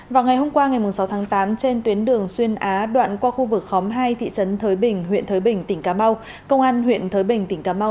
vào ngày hôm qua ngày sáu tháng tám trên tuyến đường xuyên á đoạn qua khu vực khóm hai thị trấn thới bình huyện thới bình tỉnh cà mau